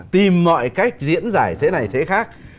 tìm mọi cách diễn giải thế này thế khác